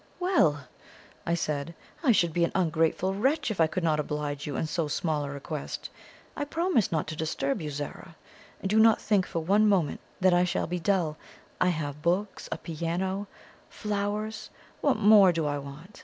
"Well!" I said, "I should be an ungrateful wretch if I could not oblige you in so small a request. I promise not to disturb you, Zara; and do not think for one moment that I shall be dull. I have books, a piano, flowers what more do I want?